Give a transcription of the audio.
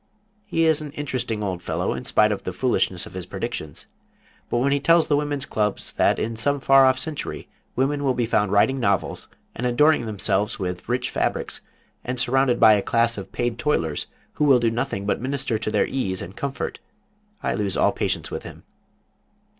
He is an interesting old fellow, in spite of the foolishness of his predictions; but when he tells the women's clubs that in some far off century women will be found writing novels, and adorning themselves with rich fabrics, and surrounded by a class of paid toilers who will do nothing but minister to their ease and comfort, I lose all patience with him.